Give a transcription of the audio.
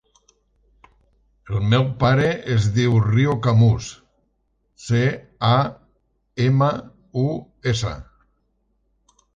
El meu pare es diu Rio Camus: ce, a, ema, u, essa.